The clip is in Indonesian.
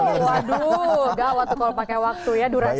oh waduh gak waktu kalau pake waktu ya durasi